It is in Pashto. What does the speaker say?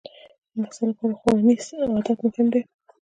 د محصل لپاره خوړنیز عادت مهم دی.